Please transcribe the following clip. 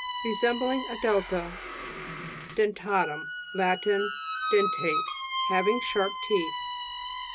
Resembling a delta A (p. 65). DENTA'TUM Lat. Dentate ; having sharp teeth.